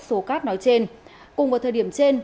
số cát nói trên cùng cùng thời điểm trên